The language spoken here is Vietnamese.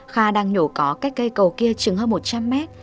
kha đang nhổ có cách cây cầu kia chừng hơn một trăm linh mét